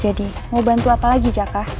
jadi mau bantu apa lagi jaka